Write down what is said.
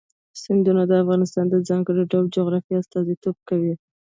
سیندونه د افغانستان د ځانګړي ډول جغرافیه استازیتوب کوي.